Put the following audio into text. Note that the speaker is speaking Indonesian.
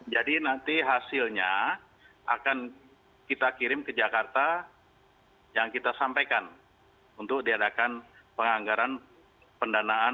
jadi nanti hasilnya akan kita kirim ke jakarta yang kita sampaikan untuk diadakan penganggaran pendanaan